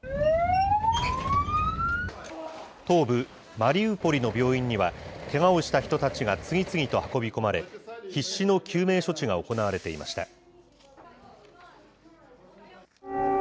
東部マリウポリの病院には、けがをした人たちが次々と運び込まれ、必死の救命処置が行われていました。